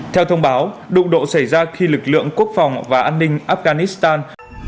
theo thông báo đụng độ xảy ra khi lực lượng quốc phòng và an ninh afghanistan